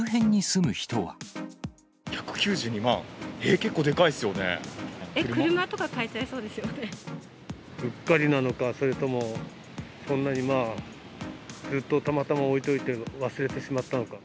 結構でかいえっ、うっかりなのか、それともこんなにまあ、封筒たまたま置いといて、忘れてしまったのか。